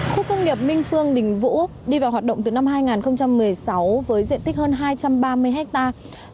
khu công nghiệp minh phương đình vũ đi vào hoạt động từ năm hai nghìn một mươi sáu với diện tích hơn hai trăm ba mươi hectare